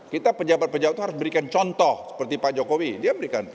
kita pejabat pejabat itu harus berikan contoh seperti pak jokowi dia berikan